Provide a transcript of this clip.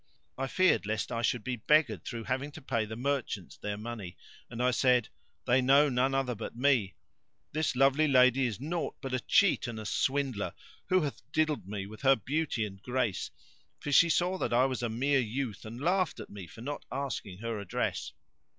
"[FN#557] I feared lest I should be beggared through having to pay the merchants their money, and I said, "They know none other but me; this lovely lady is naught but a cheat and a swindler, who hath diddled me with her beauty and grace; for she saw that I was a mere youth and laughed at me for not asking her address."